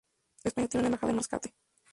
España tiene una embajada en Mascate.